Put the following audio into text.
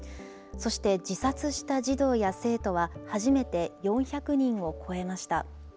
そして自殺した児童や生徒は初めて４００人を超えました。